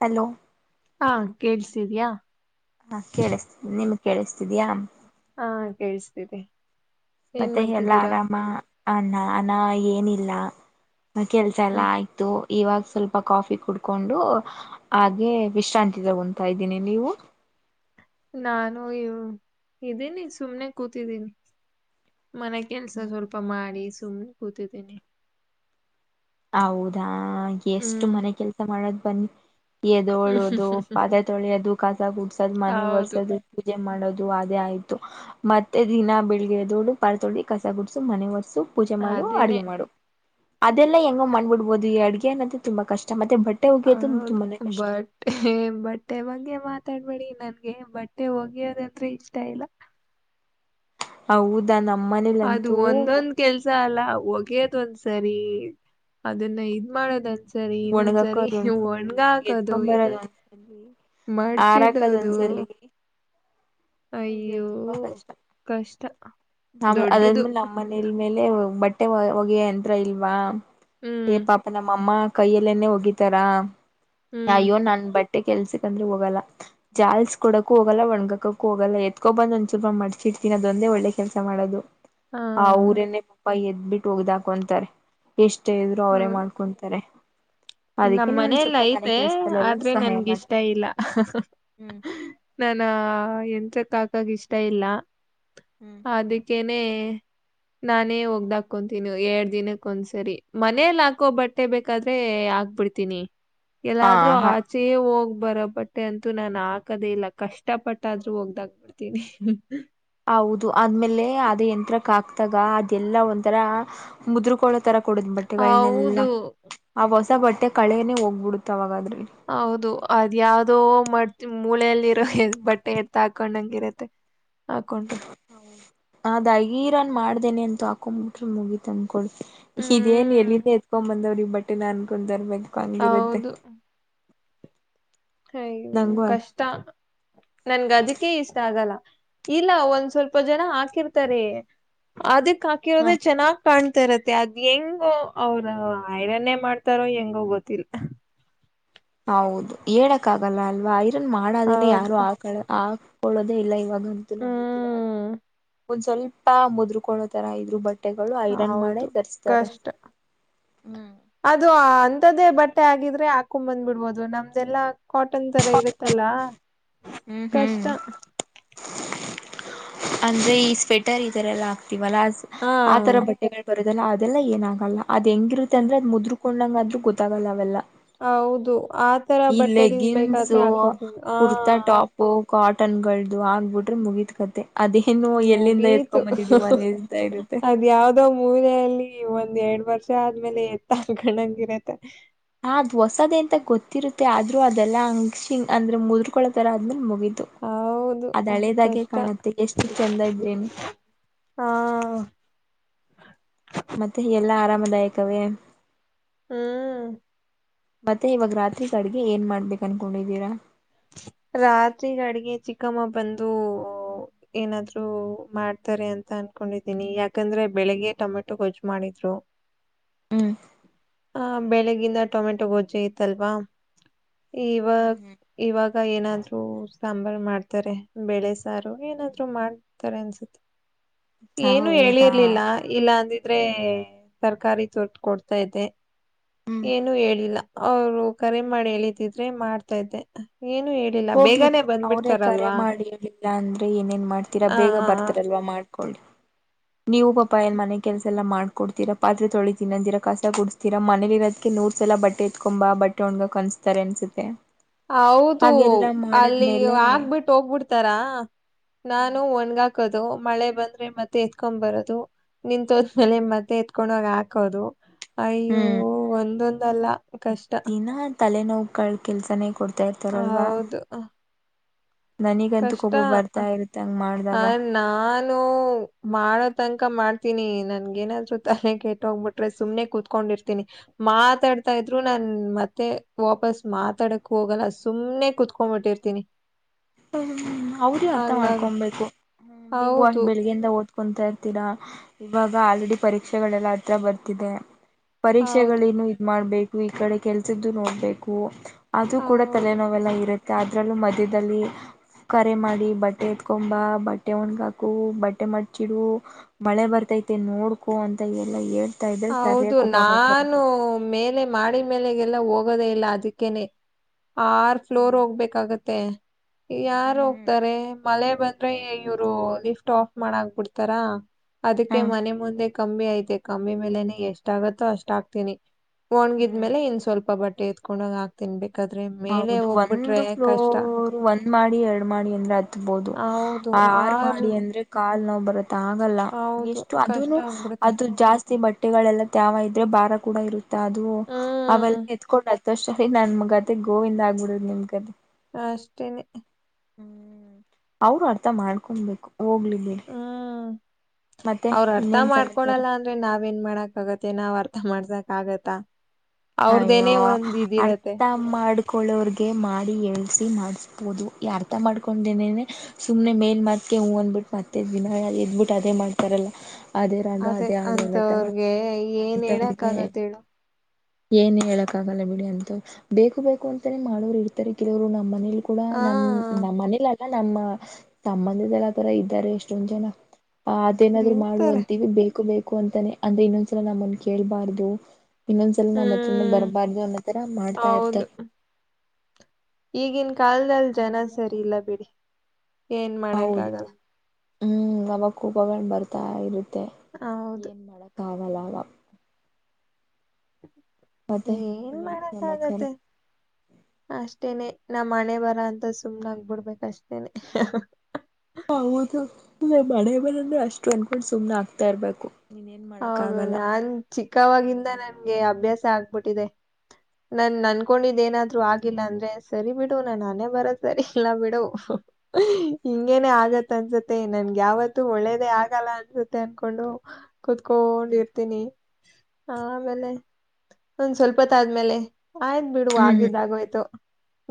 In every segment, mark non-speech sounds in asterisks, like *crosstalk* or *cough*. Hello ಹಾ ಕೇಳ್ಸಿತಿದ್ಯಾ ಹಾ ಕೇಳಿಸತೀ ನಿಮ್ಮಿತ್. ಕೇಳಿಸ್ತಿದಿಯಾ. ಹಾ ಕೇಳ್ಸಿತ್ತಿದೆ. ಮತ್ತೆ ಎಲ್ಲಾ ಆರಾಮಾ ಆ ನಾನಾ ಏನೀ. ಇಲ್ಲಾ. ಕೆಲ್ಸಾ ಎಲ್ಲಾ ಹ್ಮ್ ಆಯ್ತು. ಇವಾಗ ಸ್ವಲ್ಪ ಕ್ವಾಫಿ ಕುಡ್ಕೊಂಡು ಆಗೆ ವಿಶ್ರಾಂತಿ ತಗೊಂತಾ ಇದ್ದೀನಿ ನೀವು. ನಾನು ಇವು ಇದೀನಿ ಸುಮ್ನೆ ಕೂತಿದ್ದೀನಿ. ಮನೇ ಕೆಲ್ಸ ಸ್ವಲ್ಪ ಮಾಡಿಸ. ತುಂಮ್ ಕೊತಿದೀನಿ. ಔಧಾ. ಹ್ಹ ಎಷ್ಟು ಹ್ಮ್ ಮನೆ ಕೆಲಸಾ ಮಾಡದ್. ಪ್ಪನ್ನಿ. ಎದೋಳೋದು ಪಾದೆ ತೊಳಿಯದು ಕಾಸಾ ಗುಡ್ಸೋದ ಮನೆ ಹೌದು ಒರೆಸೋದು ಪೂಜೆ ಮಾಡೋದು. ದು ಆದೇ ಆಯ್ತು ಮತ್ತೆ ದಿನಾ ಬೆಳಿಗ್ಗೆ ಎದ್ದೊಳು ಪಾಲ ತೊಳಿ ಕಸ ಗುಡ್ಸು ಮನೆ ವರಸ. ಸು ಪೂಜೆ ಮಾಡು ಅದೇನೆ ಅಡುಗೆ ಮಾಡು. ಅದ ಎಲ್. ಎ ಎಂಗೊ ಮಣ್‌ ಬಿಡ್ಬೋದು ಈ ಅಡುಗೆ ನಂತು ತುಂಬಾ ಕಷ್ಟಾ ಮದ್. ಹೌದು ಬಟ್ಟೆ ಬಟ್ಟೆ ಬಗ್ಗೆ ಮಾತ. ತ್ಯಾಗ ಬಡಿ ನನ್ಗೆ ಬಟ್ಟೆ ವಗಿಯೋದಂದ್ರೆ ಇಷ್ಟಾ ಇಲ್ಲಾ. ಹೌ ಧನೋಕ್. ಅದು ಒಂದೊಂದ್ ಕೆಲ್ಸಾ ಅಲ್ಲಾ. ಅ ಒಗೆಯದ್ ಒಂದ್ಸರಿ ಅದನ್ನ ಇದ್ ಮಾಡೋದಂದಸ. ಒಣಗಕ್ಕ ಅದು ಒಂದ್ಸಲಿ ಹಾಕೋದು ಎತ್ಕಂಬರದ ಇನ್ನು ಒಂದ್ಸಲಿ ಆರಕದ ಮಡ್ಚಿಡೋದು ಒಂದ್ಸಲಿ. ಅಯ್ಯೋ ಅಯ್ಯೋದ ಬಹುತ ಅಛಾ ಕಷ್ಟ ಆಮೇಲೆ ದೊಡ್ಡದು ಅದಾದ್ಮೇಲೆ ನಮ್ಮ ಮನೇಲ್ ಮೇಲೆ ಬಟ್. ಟ್ಟೆವಾಯ ಹೋಗಿ ಯಂತ್ರ ಇಲ್ವಾಮ್. ಹ್ಮ್ ಏ ಪಾಪು ನಮ್ಮ ಮ್ಮಮ್ಮಾ. ಕೈಯಲ್ಲೆನೆೇ ಒಗಿತ್ತಾರಾ. ಹ್ಮ್ ಅಯ್ಯೋ ನನ್ ಬಟ್. ಟೆ ಕೆಲ್ಸಕ್ಂದ್ರೆ ಹೋಗಲ್ಲಾ ಜಾಲ್ಸ್ ಕೊಡಕು ಹೋಗಲ್ಲಾ ಒಣಗಕಕ್ಕೂ ಹೋಗಲ್ಲ ಎತ್ಕೊ ಬಂದ್ ಒಂದ್ ಚುಪ ಮಡ್ಚಿ ಇಡ್ತೀನಿ ಅದೊಂದೇ ಒಳ್ಳೆ ಕೆಲ್ಸಾ ಮಾಡೋದು. ಹಾ ಅವ್ರೇನೇ ಪಪ್ಪಾ ಎದ್. ಬಿಟ್ಟ ಒಗ್ದಾಕು ಅಂತಾರೆ. ಎಷ್ಟೇ ಇದ್ರು ಅವರೇ ಮಾಡ್ಕೊಂತಾರೆ. ಅದಕ್ಕೆ ನಮ್ಮ ನಾನು ಸ್ವಲ್ಪ ಮನೆ ಮನೇಲೖತೆ ಕೆಲ್ಸದಲ್ಲೆಲ್ಲ ಆದ್ರೆ ಸಹಾಯ ನನ್ಗಿಷ್ಟ ಮಾಡ್ತೀನಿ ಇಲ್ಲ ಹ್ಮ್ ನಾನ ಎಂತ ತಾಕಾಗ ಇಷ್ಟ ಇಲ್ಲ. ಹ್ಮ್ ಅದಕ್ಕೆೇನ್ ನಾನೇ ಒಗ್ದಾಕೊಂತೀನಿ ಎರಡ್ ದಿನಕ್ಕ್ ಒಂದ್ಸರಿ ಮನೇಲಿ ಹಾಕೋ ಬಟ್ಟೆ ಬೇಕಾದ್ರೆ ಬಿಡ್ತೀನಿ. ಎಲ್ಲಾದ್ರೂ ಹ ಹ ಆಚೆಯೆ ಹೋಗ್ಬ್ ಬರ ಬಟ್ಟೆ ಅಂತೂ ನಾನ್ ಹಾಕದೇ ಇಲ್ಲ ಕಷ್ಟ ಪಟ್ಟಾದ್ರೂ ಒಗ್ದಾಗ್ಬಿಡ್ತೀನಿ. ಹೌದು ಅದ್ಮೇಲೆ ಅದೇ ಯಂತ್ರಕ್ ಹಾಕ್ದಾಗ ಅದೆಲ್ಲಾ ಒಂಥರ ಮುದ್ರಕೊಳತರ ಕೊಡುತ್ ಬಟ್ಟೆಗಳ್ನೆಲ್ಲಾ ಹೌದು ಆಗ ಸ ಬಟ್ಟೆ ಕಳೆನೆ ಹೋಗ್ಬಿಡುತ್ತವಾಗಾದ್ರೆ. ಹೌದು ಅದ್ಯಾವ್ದೋ ಮಡ್ತಿ ಮೂಲೆಯಲ್ಲಿರೋ ಬಟ್ಟೆ ಎತ್ತ ಹಾಕೊಂಡ್ ಹಂಗಿರತ್ತೆ. ಹಾಕೊಂಡ್ರೆ. ಆದ್ ಐರನ್ ಮಾಡ್ದೇನೆ ಅಂತು ಹಾಕೊಂಡ್ಬಿಟ್ರೆ ಮುಗಿತಂ ಕೊಳ್ಸಿ ಇದೇನ್ ಹ್ಮ್. ಎಲ್ಲಿಂದ ಎತ್ಕೊಂಬಂದವ್ರ ಈ ಬ ಟ್ಟೆನ ಅನ್ಕೊಂಡಾರೆ ಮ ಹೌದು ಅಯ್ಯೋ ನಂಗು ಅನ್ ಕಷ್ಟ ನನ್ಗ್ ಅದಕ್ಕೆೇ ಇಷ್ಟ ಆಗಲ್ಲ. ಇಲ್ಲ ಒಂದ್ ಸ್ವಲ್ಪ ಜನ ಹಾಕಿರ್ತಾರೆ ಆದಿ ಹಾ ಕ್ಕಾಕಿರೋದೇ ಚೆನ್ನಾ ಕಾಣ್ತಿರತ್ತೆ ಅದ್ ಹೆಂಗೋ ಅವರು ಐರನ್ನೇ ಮಾಡ್ತಾರೋ ಹೆಂಗೋ ಗೊತ್ತಿಲ್ಲ. ಹೌದು ಹೇಳಕಾಗಲ್ಲ ಅಲ್ವಾ. ರನ್ ಮಾಡದೇನೆ ಹೌದು. ಯಾರು ಹಾಕಳ ಆ ಕೊಳ್ಳೋದೇ ಇಲ್ಲ ಇವಾಗಂತೂ ನಂಗ ಗೊತ್ತೀರ ಹ್ಮ್. ಒಂದ್ ಸ್ವಲ್ಪ ಮುದರುಕೊಳೋತರ ಇದ್ರು ಬಟ್ ಹೌದು ಕಷ್ಟ ಹ್ಮ್ ಅದು ಅಂ ಅಂತದೇ ಬಟ್ಟೆ ಆಗಿದ್ರೆ ಹಾಕೊಂಡ್ ಬಂದ್ ಬಿಡ್ಬೋದು ನಮ್ದೆಲ್ಲ ಕಾಟನ್ತರ ಇರುತ್ತಲ್ಲ ಹ್ಮ್ ಕಷ್ಟ. ಹ್ಮ್ ಅಂದ್ರೆ ಈ ಸ್ವೆಟರ್ ಈತರ ಎಲ್ಲಾ ಇವರಾಸ್ ಹಾ. ಆತರ ಬಟ್ಟೆಗಳ್ ಲ್ಲ ಅದೆಲ್ಲ ಏನಾಗಲ್ಲ ಅದೆಂಗಿರುತ್ತ ಅಹ್, ಅಂದ್ರೆ ಅದು ಮುದ್ರ್ ಕೊಂಳ್ಳಾಗದ್ರ್ ಗೊತ್ತಾಗಲ್ಲವೆಲ್ಲ. ಹೌದು ಆತರ ಈ ಬಟ್ಟೆಗಳು ಲೆಗ್ಗಿನ್ಸ್ ಬೇಕಾದ್ರೆ ಹಾಕೊಂಡ್ವಿ ಆ ಕುರ್ತಾ ಟಾಪ್ ಕಾ ಟನ್ಗಳ್ದು ಆಗ್ಬಿಟ್ರೆ ಮುಗಿತ್ಕತೆ. ಮುಗೀತು ಅನ್ನಿಸ್ತಾ ಇರುತ್ತೆ ಅದ್ಯಾವ್ದೋ ಮೂಲೆಅಲ್ಲಿ. ಒಂದೆರ್ಡ್ ವರ್ಷ ಆದ್ಮೇಲೆ ಎತ್ತಾಲ್ಕಣಂಗಿರತ್ತೆ ಹ್ ಅದ್ಹೊಸದ್ಂತ ಗೊತ್ತಿರುತ್ತೆ ಆದ್ರೂ ಅದೆಲ್ಲ ಅಂಗ್ಸಿಂಗ ಅಂದ್ರೆ ಮುದ್ರಕೊಳ್ಳೋತರ ಆದ್ಮೇಲೆ ಮುಗ್ ಹೌದು ಕಷ್ಟ ಕಾಣುತ್ತೆ ಎಷ್ಟು ಚೆಂದ ಇದ್ರೇನು ಹಾ ಮತ್ತೆ ಎಲ್ಲಾ ಆರಾಮದಾಯಕವೇ ಹ್ಮ್ ಮತ್ತೆ ಇವಾಗ ರಾತ್ರಿಗಡ್ಗೆ ಏನ್ ಮಾಡ್ಬೇ ಕನ್ಕೊಂಡಿದಿರಾ ರಾತ್ರಿಗಡ್ಗೆ ಚಿಕ್ಕಮ್ಮ ಬಂದು ಏನಾದ್ರು ಮಾಡ್ತಾರೆ ಅಂತ ಅನ್ಕೊಂಡಿದ್ದೀನಿ ಯಾಕಂದ್ರೆ ಬೆಳಿಗ್ಗೆ ಟೊಮೆಟೊ ಗೊಜ್ಜು ಮಾಡಿದ್ರು. ಹ್ಮ್ ಹ ಬೆಳಿಗಿಂದ ಟೊಮೆಟೊ ಗೊಜ್ಜೆ ಇತ್ತಲ್ವಾ. ಹ್ಮ್ ಹ್ಮ್ ಇವ ಗ ಏನಾದ್ರು ಸಾಂಬಾರು ಮಾಡ್ತಾರೆ ಬೆೇಳೆ ಸಾರು ಏನಾದ್ರು ಮಾಡ್ತಾರೆ ಅನ್ಸುತ್ತೆ ಏನು ಹೌದಾ ಹೇಳಿರ್ಲಿಲ್ಲ ಇಲ್ಲಂದ್ ದ್ರೆ ತರ್ಕಾರಿ ತೋಟ್ಟ್ ಕೊಡ್ತಾ ಇದೆ. ಹ್ಮ್ ಏನುೂ ಹೇಳಿಲ್ಲ. ಅವ್ರು ಕರೆ ಮಾಡಿ ಹೇಳಿದಿದ್ರೆ ಮಾಡ್ತಾ ಇದ್ದೆ. ಏನು ಹೇಳಿಲ್ಲ ಹೋಗ್ಲಿ ಬೇಗನೆ ಬಿಟ್ಟ್ ಅವ್ರೇ ಕರೆ ಬಂದ್ಬಿಡ್ತಾರಲ್ವಾ ಮಾಡಿರ್ಲಿಲ್ಲ ಅಂದ್ರೆ ಏನೇನ್ ಮಾಡ್ತೀರಾ ಹ ಬೇಗ ಬರ್ತಾರಲ್ವಾ ಮಾಡ್ ಕೋಳ್ಡ್ ನೀವು ಪಾಪಾ ಎನ್ಮನೆ ಕೆಲ್ಸ ಎಲ್ಲ ಮಾಡ್ ಕೊತ್ತಿರಾ ಪಾತ್ರೆ ತೊಳಿತಿನಂದಿರ ಕಸ ಗುಡ್ಸ್ತೀರಾ ಮನಲಿರೋದ್ಕ್ಕೆ ನೂರ್ ಸಲ ಬಟ್ಟೆ ಎತ್ಕೊಂಬ ಬಟ್ಟೆ ಒಣ್ಗ ಕನ್ಸ್ತಾರೆ ಅನ್ಸುತ್ತೆ. ಹೌದು ಹಾಗೆಲ್ಲಾ ಅಲ್ಲಿ ಮಾಡದ್ಮೇಲೆ ಆಗ್ಬಿಟ್ಟ್ ಹೋಗ್ಬಿಡ್ತಾರ ನಾನು ಒನ್ಗ್ ಕದು ಮಳೆ ಬಂದ್ರೆ ಮತ್ತೆ ಎತ್ಕೊ್ ಬರದು. ನಿಂತೋದ್ಮೆಲೆ ಮತ್ತೆ ಕೊಂಡಾಗ್ ಹಾಕೋದು. ಅಯ್ಯೋ ಹ್ಮ್ ಒಂದೊಂದಲ್ಲ ಕಷ್ಟ. ದಿನಾ ತಲೆನೋವುಗಳ ಕೆಲ್ಸನೇ ಕೊಡ್ತ ತ್ತ ತರಲ್ವಾ ಹೌದು ನನಗಂತೂ ಕೊಪ ಬರ್ತಾ ಇರ್ತ್ತಂಗ ಹ ನಾನು ಮಾಡದ ತನಕ ಮಾಡ್ತೀನಿ ನನ್ಗೆ ಏನಾದ್ರೂ ತಾಕತ್ತು ಬಿಡುತ್ತೆ ಸುಮ್ನೆ ಕುೂತ್ಕೊಂಡಿರ್ತೀನಿ ಮಾತಾಡ್ತಾ ಇದ್ರು ನಾ ಮತ್ತೆ ವಾಪಸ್ ಮಾತಾಡಕ್ ಹೋಗಲ್ಲ ಸುಮ್ನೆ ಕುೂತ್ಕೊಂಡ್ಬಿಟ್ಟಿರ್ತೀನಿ. ಅವ್ರ ಅರ್ಥ ಹಂಗಾಗ ಮಾಡ್ಕೊಂಬು ಹ್ಮ ನೀವು ಹೌದು ಬೆಳಿಗ್ಗೆಿಂದ ಹಓದ್ ಕುಂತಾ ಇರ್ತೀರಾ ಇವಾಗ ಆಲ್ರೆಡಿ ಪರೀಕ್ಷೆಗಳೆಲ್ಲಾ ಹತ್ರ ಬರ್ತಿದೆ. ಹೌದು ಪರೀಕ್ಷೆಗಳೇನು ಇದ್ ಮಾಡ್ಬೇಕು ಈ ಕಡೆ ಕೆಲ್ಸದ್ದು ನೋಡ್ಬೇಕು. ಅದು ಕೂಡ ಹೌದು ತಲೆನೋವೆಲ್ಲ ಇರುತ್ತೆ. ಮತ್ತ್ ಅದರಲ್ಲೂ ಮಧ್ಯದಲ್ಲಿ. ಕರೆ ಮಾಡಿ ಬಟ್ಟೆ ಎತ್ಕೊಂಬ ಬಟ್ಟೆ ಒಣಗಾಕು ಬಟ್ಟೆ ಮಟ್ಚಿಡು ಮಳೆ ಬರ್ತೈತೆ ನೋಡ್ಕೊ ಅಂತ ಎಲ್ಲಾ ಹೇಳ್ ಹೌದು ನಾನು ಮೇಲೆ ಮಾಡಿ ಮೇಲೆಗೆಲ್ಲ ಹೋಗ್ ಹೋಗೋದೇ ಇಲ್ಲ ಅದಕ್ಕೇನೆ. ಆರ್ ಫ್ಲೋರ್ ಹ್ಮ್ ಹೋಗ್ಬೇಕಾಗತ್ತೆ ಯಾರ್ ಹ್ಮ್ ಹ್ಮ್ ಹೋಗ್ತಾರೆ ಮಳೆ ಬಂದ್ರೆ ಇವ್ರು ಲಿಫ್ಟ್ ಆಫ್ ಮಾಡಾಗ ಬಿಡ್ತಾರಾ. ಅದಕ್ಕೆ ಹಾ ಮನೆ ಮುಂದೆ ಕಮ್ಮಿ ಆಯತೆ ಕ ನಮ್ಮಿ ಮೇಲೆನೆ ಎಷ್ಟ ಆಗತ್ತೋ ಅಷ್ಟ ಆಗ್ತೀನಿ ಹ್ಮ್ ಒಣ್ಗಿದ್ಮೇಲೆ ಇನ್ ಸ್ವಲ್ಪ ಬಟ್ಟೆ ಎದತ್ಕೊಂಡ್ ಹಾ ತಿನ್ಬೇಕು ಹೌದು ಒಂದ್ ಫ್ಲೋರ್ ಒಂದ್ ಮಾಡಿ ಎರಡ್ ಮಾಡಿ ಅಂದ್ರೆ ಹತ್ಬೋದು ಆರ್ ಮಾಡಿ ಅಂದ್ರೆ ಕಾಲ್ ನ ಬರ್ ಆಗಲ್ಲ ಹೌದು ಎಷ್ಟು ಅದ ಕಷ್ಟ ಆಗ್ಬಿಡುತ್ತೆ ಅದು ಜಾಸ್ತಿ ಬಟ್ಟೆಗಳೆಲ್ಲ ತ್ಯಾವ ಇದ್ರೆ ಭಾರ ಕೂಡ ಇರುತ್ತೆ ಅದು ಅವೆಲ್ಲ ಹ್ಮ್ ಎತ್ಕೊಂಡ್ ತಸ ಹ ನಾನ್ ಮಗ್ ಗೋವಿಂದ ಆಗ್ಗುಡ್ ನಿಮಕ ಅಷ್ಟೇನೆ. ಹ್ಮ್ ಅವ್ರು ಅರ್ಥಾ ಮಾಡ್ಕೋಂಬೇಕು. ಹ್ಮ್ ಮತ್ತೆ ಅವ್ರ ಅರ್ಥಾ ಇನ್ನೇನ್ ಸಮಾಚಾರ ಮಾಡ್ಕೊಳಲ್ಲಾ ಅಂದ್ರೆ ನಾವೇನ್ ಮಾಡಕ್ ಆಗತ್ತೇ ನಾವ್ ಅರ್. ಥಾ ಮಾಡ್ಸಕ್ ಆಗತ್ತಾ. ಅಯ್ಯೋ ಅವ್ರ್ದೇನೇ ಒಂದ್ ಇದಿರತ್ತೆ ಅರ್ಥಾ ಮಾಡ್ಕೊಳ್ಳೋರ್ವಗೆ ಮಾ. ಡಿ ಹೆಳ್ಸಿಸಿ ಮಾಡಿಸ್ಬೋದು ಈ ಅರ್ಥಾ ಮಾಡ್ಕೊಂಡೇನೇನೆ ಸುಮ್ನೆ ಮೇಲ್ಮತಗೆ ಹೂ ಅಂದ್ಬಿಟ್ಟ ಮತ್ತೆ ದಿನಾ ಎದ್ಬಿಟ್ಟು ಅದೇ ಮಾಡ್ತಾರಲ್ಲಾ. ಅದೇ ಅಂತವ್ರಗೆ ಏನ್ ಏಳಾಕ್ ಅಂತವ್ರಿಗೆ ಆಗತ್ತ ಹೇಳೊ. ಏನ್ ಹೇಳಾಕ್ ಆಗಲ್ಲ ಬಿಡಿ ಅಂತು ಬೇಕು ಬೇಕು ಅಂತಾನೇ ಮಾಡೋರು ಇರ್ತಾರೆ ಕೆಲವ್ರು ನಮ್ಮ್ ಮನೇಲ್ಲಿ. ಕೂಡಾ ಹಾ ನಮ್ ನಮ್ಮ ಮನೇಲಾಲ್. ಲ್ಲ ನಮ್ಮ ಸಂಬಂಧಿದಲ ತೊರೆ ಇದ್ದಾರೆ ಎಷ್ಟೊಂದ ಜನಾ. ಆ ಅದೇನಾದ್ರು ಮಾಡುವ ಇರ್ತಾರೆ ಅಂತೀವಿ ಬೇಕು ಬೇಕ. ಕು ಅಂತನೆ ಅಂದೆ ಇನ್ನೊಂದ್ಸಲ ನಮ್ಮಂದ ಕೇಳ್ಬಾರ್ದು. ಇನ್ನೊಂದ್ ಸಲಿ ನಾಮದ್. ಚ್ಚುನ್ನು ಹ್ಮ್ ಬರಬಾರ್ದು ಅನ್ನೋ ತರಾ ಮಾಡ್ತಾ ಇರ್ತಾರ. ಹೌದು ಈಗಿನ. ಕಾಲ್ದಲ್ಲ್ ಜನ ಅವಾಗ ಸರಿ ಇಲ್ಲಾ ಬಿಡಿ. ಏನ್ ಮಾಡಾಕ್ಕ ಹೌದು ಆಗಲ್ಲಾ. ಹ್ಮ್ ನವಕ್ಕೂ ಬಗಂಡ ಬರ್ತಾ ಇರುತ್. ತ್ತೇ ಹೌದು ಏನ್ ಮಾಡಾಕ್. ಕಾವಲಾಭಾ. ನಿನ್ ಇನ್ನೆಂತ ಮಾಡಾಕ್ಕ ಸಮಾಚಾರ ಆಗತ್ತೆ ಅಷ್ಟೇನೆ. ನಾಮ್ ಹಣೆಬರಾಹದ್ದು ಸುಮ್ನ ಆಗ್ಬಿಡಬೇಕ ಅಷ್ಟೇನೆ. ಹೌದೊ ನಮ್ ಹಣೆಬರಾನು ಅಷ್ಟು ಅನ್ಕೊಂಡ ಸುಮ್ನ ಆಗ್ತಾ ಇರ್ಬೇಕು. ನೀನ್ ಏನ್ ಮಾಡಕ್ ಹೌದು ಆಗಲ್ಲ. ನಾನ್ ಚಿಕ್ಕವಾಗಿಂದ ನನ್ಗೆ ಅಭ್ಯಾಸ ಆಗ್. ಬುಟ್ಟಿದೆ. ನನ್ ನನ್ಕೊಂಡಿದ್ ಏನಾದ್ರು ಆಗಿಲ್ಲಾ ಅಂದ್ರೆ ಸರಿ ಬಿಡು ನನ್ ಹನೆ ಬರ ಸರಿ ಇಲ್ಲಾ ಬಿಡು ಹಿಂಗೇನೆ ಆಗತ್ ಅನ್ಸತ್ತೆ ನನ್ಗ ಯಾವತ್ತೂ ಒಳ್ಳೇದೇ ಆಗಲ್ಲಾ ಅನ್ಸುತ್ತೆ ಅನ್ಕೊಂಡು. ಕುತ್ಕೊಂಡ ಹ್ಮ್ ಇರ್ತೀನಿ. ಆಮೇಲೆ ಒಂದ ಸ್ವಲ್ಪತ್ತ ಆದ್. ಆಮೇಲೆ. ಆಯ್ದ ಬಿಡು ಹ್ಮ್ ಆಗಿದ್ದ ಆಗಹೋಯ್ತು.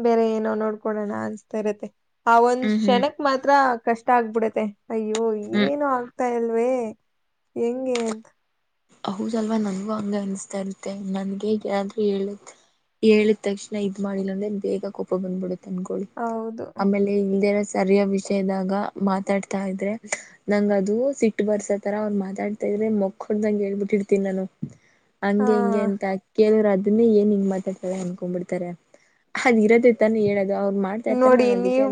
ಬೇರೆ ಏನೋ ನೋಡ್ಕೊಡೋಣಾ ಅನ್ಸ್ತಾ ಇರುತ್ತೆ. ಆ ಒಂದ್ ಹ್ಮ್ ಹ್ಮ್ ಹ್ಮ್ ಷೇಣಕ್ ಮಾತ್ರಾ. ಕಷ್ಟ ಆಗ್ಬಿಡತ್ತೆ ಅಯ್ಯೋ ಹ್ಮ್ ಏನು ತ್ತ ಇಲ್ವೇ ಹೆಂಗೇಂತ ಹೌದಲ್ವಾ ನನ್ಗೂ ಹಂಗ ಅನ್ಸತಾ ಇರುತ್ತೆ ನನ್ಗೆಗಾದ್ರೂ ಹೇಳ ಹೇಳಿದ ತಕ್ಷಣ ಇದ್ ಮಾಡಿಲ್ಲ ಅಂದ್ರೆ ಬೇಗ ಕೋಪ ಬಂದ್ಬಿಡುತ್ತೆ ತಂದಕ್ ಹೌದು ಆಮೇಲೆ ಇ ರ ಸರಿಯ ವಿಷಯದಾಗ ಮಾತಾಡ್ತಾ ಇದ್ರೆ ನಂಗ್ ಅದು ಸಿಟ್ಟ ಬರ್ಸತರ ಅವ್ರು ಮಾತಾಡ್ತಾ ಇದ್ರೆ ಮಕ್ಕೊಂಡ್ದಂಗ್ ಹಬಿಟ್ಟಿಡ್ತೀನಿ ನಾನು. ಹಂಗೆ ಹಿಂಗೆ ಹಾ ಅಂತ್ ಕೇಳಿರ ಅ ಅದನ್ನೇ ಏನ್ ಹಿಂಗ ಮಾತಾಡ್ತಲ್ಲ ಅನ್ಕೊಂಡ್ ಬಿಡ್ತಾರೆ ಅದ ಇರೋದೇ ತಾನ ಹೇಳ್ ನೋಡಿ ನೀವ್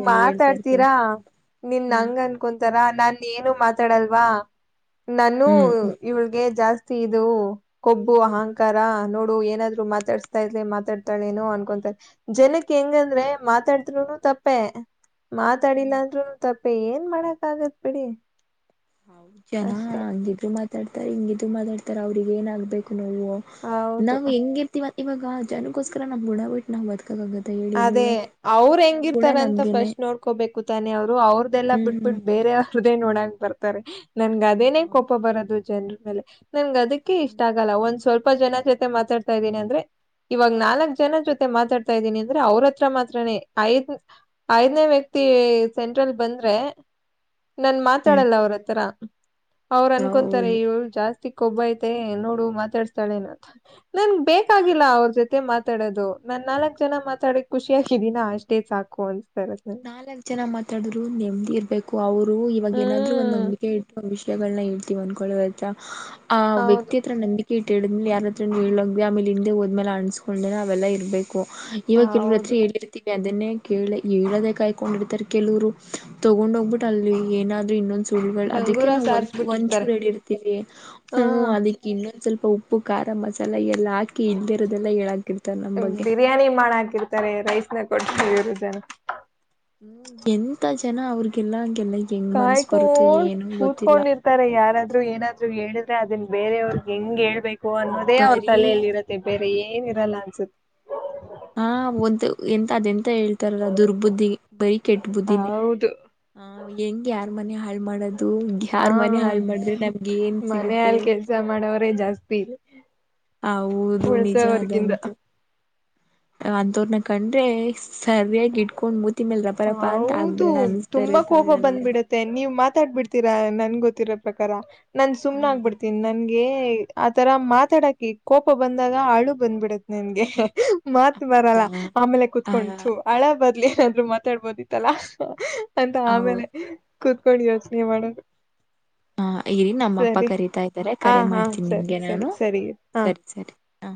ಇರ್ತೀನಿ ಮಾತಾಡ್ತೀರಾ ನಿಮ್ನ ಹ್ಮ್ ಹಂಗ್ ಅನ್ಕೊಂತಾರ. ನನ್ ಏನು ಮಾತಾಡಲ್ವಾ. ನಾನು ಹ್ಮ್ ಇವಳಗೆ ಜಾಸ್ತಿ ಇದು ಕೊಬ್ಬು ಹ್ಮ್ ಅಹಂಕಾರ ನೋಡ್ ಏನಾದ್ರು ಮಾತಾಡ್ಸ್ತಾ ಇದ್ರಲಿ ಮಾತಾಡ್ತಾಳೆ ಏನೂ ಅನ್ಕೊಂತಾರೆ ಜನಕ್ಕೆ ಹೆಂಗಂದ್ರ ಮಾ ಮಾತಾಡುದ್ರುನು ತಪ್ಪೇ ಮಾತಾಡಿಲ್ಲ ಅಂದ್ರೂನು ತಪ್ಪ್ ಏನ್ ಮಾಡಕ್ ಆಗತ್ ಬಿಡಿ ಹೌ ಜನ ಅಷ್ಟೆ ಹಂಗಿದ್ರು ಮಾತಾಡ್ತ ಹಿಂಗ್ ಇದು ಮಾತಾಡ್ತಾರೆ ಅವ್ರಿಗೆ ಏನ್ ಆಗ್ಬೇಕು ನೋ ಹೌದು ನಾವು ಹೆಂಗಿರ್ತಿವ್ ಇವಾಗ ಜನಗೋಸ್ರ ನಮ್ ಬುಡ ಬಿಟ್ಟ್ ನಾವ್ ಬ ಅದೇ ಅವ್ರ್ ಗುಣ ಹೆಂಗಿರ್ತಾರ್ ಅಂತ ನಮ್ಗೇನೆ ಫಸ್ಟ್ ನೋಡ್ಕೋಬೇಕು ಕು ತಾನೇ ಅವ್ರದ್ದೆಲ್ಲ ಹ್ಮ್ ಬಿಟ್ಬ ಹ್ಮ್ ಬಿಟ್ಟು ಬೇರೆ ಅವ್ರದ್ದೇ ನೋಡಾಕ್ ಬರ ತರೆ ನನ್ಗ್ ಅದೇನೇ ಹೌದು ಕೋಪ ಬರೋದು ಜನ್ರು *unintelligible* ನನ್ಗ್ ಅದಕ್ಕೆ ಇಷ್ಟ ಆಗಲ್ಲ ಒಂದ್ ಸ್ವಲ್ಪ ಸ್ವಲ್ಪ ಜನ ಜೊತೆ ಮಾತಡ್ತಾ ಇದೀನಿ ಅಂದ್ರೆ ಇವಾಗ್ ನಾಲ್ಕಕ್ ಜನ ಜೊತೆ ಮಾತಾಡ್ತಾ ಇದ್ದೀನಿ ಅಂದ್ರೆ ಅವ್ರ್ ಹತ್ರ ಮಾತ್ರೇ ಐದ್ ಐದ್ನೇ ವ್ಯಕ್ತಿ ಸೆಂಟ್ರಲ್ ಬಂದ್ರೆ ನನ್ ಹ್ಮ್ ಮಾತಾಡಲ್ಲ ಅವ್ರತ್ರ ಅವ್ರ್ ಅನ್ಕೊಂತಾರೆ ಹೌದು ಇವಳ್ ಜಾಸ್ತಿ ಕೊಬ್ಬೖತೆ ನೋಡು ಮಾತಾಡ್ಸ್ತಾಳೆ ನ ಅಂತ ನನ್ಗ್ ಬೇಕಾಗಿಲ್ಲ ಅವ್ರ ಜೊತೆ ಮಾತಾಡೋದು ನಾನ್ ನಾಲ್ಕ್ ಜನ ಮಾ ತಡಿ ಖುಷಿ ಆಗಿದೀನಾ ಅಷ್ಟೇ ಸಾಕು ಅ ನಾಲ್ಕ್ ಜನ ಮಾತಾಡ್ರು ನೆಮ್ದಿ ಇರ್ಬೇಕು. ಕು ಅವ್ರು ಅವ್ರು ಇವಾಗ ಏನಾದ್ರು ಒಂದು ಹ್ಮ್ ನಂಬಿಕೆ ಇಟ್ಟ್ಕೊಂಡ್ ವಿಷಯಗಳನ್ನ ಹೇಳ್ ತೀವನ್ಕೊಳ್ಳುವ ಆಯ್ತಾ ಆ ಹೌದು ವ್ಯಕ್ತಿ ಹತ್ರ ನಂಬಿಕೆ ಇ ತಿಳಿದ್ಮಲೆ ಯಾರತ್ರನೂ ಹೇಳೋದು ಆಮೇಲೆ ಹಿಂದೆ ಹೋದ್ಮೇಲೆ ಅಣಸ್ಕೊಂಡೇ ಅವೆಲ್ಲ ಇರಬೇ ಕು ಇವಾಗ ಇವರತ್ರ ಹೌದು ಹೇಳಿರ್ತೀವಿ ಅದನ್ನೇ ಕೇಳ *unintelligible* ಕಾಯ್ಕೊಂಡಿರ್ತಾರೆ ಕೆಲವ್ರು ತೊಗೊಂಡ್ ಹೋಗ್ಬಿಟ್ಟು ಅಲ್ಲಿ ಏನಾದ್ರೆ ಇನ್ನೊಂದ್ *unintelligible* ಅದಕ್ಕೆ ಡಂಗೂರ ನಾವು ಒಂದ ಒಂದ್ ಸಾರ್ಸ್ಬಿಟ್ಟಿರ್ತಾರೆ ಚೂರ್ ಹೇಳಿರ್ತೀವಿ ಹಾ ಹ್ಮು ಅದಿಕ್ ಇನ್ನೊಂದ್ ಸ್ವಲ್ಪ ಉಪ್ಪು ಖಾರ ಮಸಾಲ ಎಲ್ಲ ಎಲ್ಲ ಹಾಕಿ ಇಲ್ದೆರೋದೆಲ್ಲ ಹೇಳಾಕಿರ್ತಾರ ನಮ್ ಬಗ್ಗೆ. ತಾರೆ ರೈಸ್ ನ ಕೊ *unintelligible* ತೆನ ಅವ್ರಗೆಲ್ಲಾ ಕಾಯ್ಕೋಂಡ್ ಗೊತ್ತಿಲ್ಲ ಕೂತ್ಕೊಂಡಿರ್ತಾರೆ ಯಾರಾದ್ ದ್ರು ಏನಾದ್ರು ಹೇಳಿದ್ರೆ ಅದನ್ನ್ ಬೇರೆಯವ್ರಗ್ ಹ ಹೆಂಗ್ ಹೇಳ್ಬೇಕು ಅನ್ನೋದೇ ಅವ್ರ ಬರೀ ತಲೆಯಲ್ಲಿ ಇರುತ್ತೆ ಬೇರೆ ಏನ್ ಏನಿರಲ್ಲ ಅನ್ಸುತ್ತ್ *unintelligible* ಅಂತ ಹೇಳ್ತಾರಲ್ಲ ದುರ್ಬುದ್ಧಿಗೆ ಬರೀ ಕೆಟ್ಟ್ ಬುದ್ಧಿನೇ ಹೌದು ಆ ಹೆಂಗ್ ಯಾರ್ ಮನೆ ಹಾಳ್ ಮಾಡೋದು ಹಾ ಯಾರ್ ಮನೆ ಹಾಳ ಮಾಡಿದ್ರೆ ನಮ್ಗೆ ಏನ್ ಸಿಗುತ್ತೆ? ರೆ ಜಾಸ್ತಿ ಹೌದು ನಿಜ ಉಳ್ಸೋವರ್ಗಿಂತ ಅದಂತು. ಅಂತವ್ರನ ಕಂಡ್ರೆ ಸರಿಯಾಗಿ ಇಟ್ಕೊಂಡ್ ಮೂತಿಮೇಲೆ ರಪ್ಪಾ ರಪ್ಪ ಅಂತ ಹೌದು ಆಕ್ಬಿಡೊಣ ಅನ್ಸಸ್ತ ತುಂಬಾ ಇರುತ್ತದೆ. ಕೋಪ ಬಂದ್ಬಿಡತ್ತೆ ನೀವ್ ಮಾತಾಡ್ಬಿಡ್ತೀರಾ ನನ್ ಗೊತ್ತಿರೋ ಪ್ರಕಾರ. ನಾನ್ ಸುಮ್ನೆ ಹ್ಮ್ ಆಗ್ಬಿಡ್ತೀನ್ ನನ್ ಏ ಆತರ ಮಾತಾಡಾಕಿ ಕೋಪ ಬಂದಾಗ ಅಳು ಬಂದ್ಬಿಡತ್ ನನ್ಗೆ. ಮತ್ ಬರಲ್ಲ ಹೌದಾ ಆಮೇಲೆ ಆ ಕುೂತ್ಕೊಂಡು ಹಳ ಬದ್ಲು ಏನಾದ್ರು ಮಾತಾಡ್ಬೋದಿತ್ತಲ್ಲಾ. ಅಂತ ಹೌ ಆಮೇಲೆ. ಕುೂತ್ಕೊಳಿ ಯೋಚನೆ ಮಾಡೋದು. ಹಾ ಇರಿ ನಮ್ಮ ಅಪ್ಪ ಸರಿ ಕರೀತಾ ಇದ್ದಾರೆ ಹ ಕರೆ ಹಾ ಮಾಡ್ತೀನಿ ಸರಿ ನಿಮ್ಗೆ ಸರಿ ನಾನು ಸರಿ ಹಾ ಸರಿ ಸರಿ ಆ.